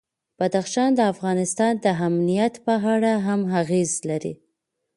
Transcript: بدخشان د افغانستان د امنیت په اړه هم اغېز لري.